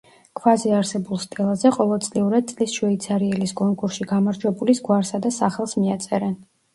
ქვაზე არსებულ სტელაზე ყოველწლიურად „წლის შვეიცარიელის“ კონკურსში გამარჯვებულის გვარსა და სახელს მიაწერენ.